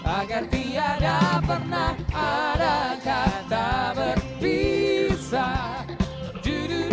agar tiada pernah ada kata berpisah diri